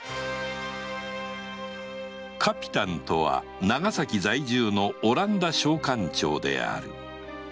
カピタンとは長崎在住のオランダ商館長である